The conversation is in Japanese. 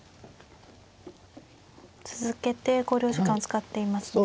続けて考慮時間を使っていますね。